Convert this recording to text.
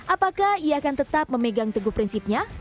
apakah ia akan tetap memegang teguh prinsipnya